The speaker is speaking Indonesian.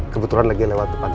kebetulan lagi lewat depan